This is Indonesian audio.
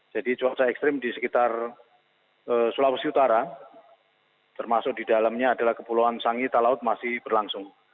jadi cuaca ekstrim di sekitar sulawesi utara termasuk di dalamnya adalah kepulauan sangi talaut masih berlangsung